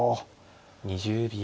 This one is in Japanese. ２０秒。